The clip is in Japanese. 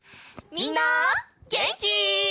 みんなげんき？